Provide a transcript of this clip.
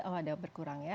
oh ada berkurang ya